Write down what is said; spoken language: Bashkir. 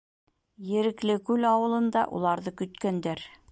...Ереклекүл ауылында уларҙы көткәндәр.